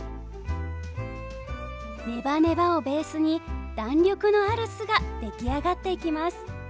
ネバネバをベースに弾力のある巣が出来上がっていきます。